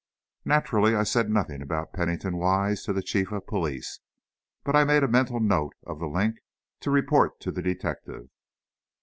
Naturally, I said nothing about Pennington Wise to the Chief of Police, but I made a mental note of "The Link" to report to the detective.